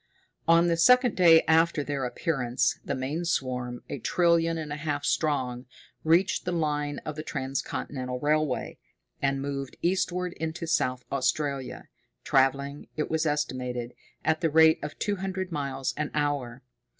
On the second day after their appearance, the main swarm, a trillion and a half strong, reached the line of the transcontinental railway, and moved eastward into South Australia, traveling, it was estimated, at the rate of two hundred miles an hour.